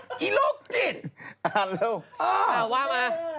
อ่าว่ามา